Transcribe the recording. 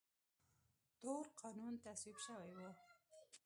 تور قانون تصویب شوی و.